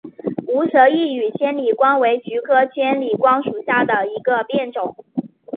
无舌异羽千里光为菊科千里光属下的一个变种。